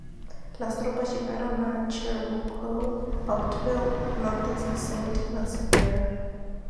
Las tropas llegaron a Cherburgo-Octeville, Nantes y Saint-Nazaire.